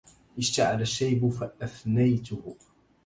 اشتعل الشيب فأفنيته